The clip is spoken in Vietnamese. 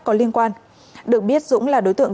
có liên quan được biết dũng là đối tượng